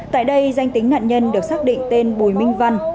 tại đây danh tính nạn nhân được xác định tên bùi minh văn